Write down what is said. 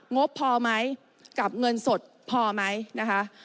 งบพอไหมกับเงินสดพอไหมนะคะ